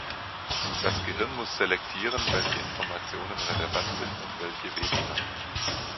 Das Gehirn muss selektieren, welche Informationen relevant sind und welche weniger.